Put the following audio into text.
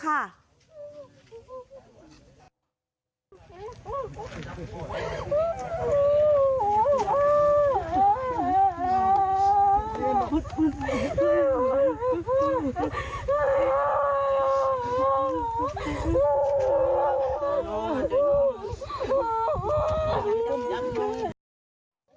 ครับ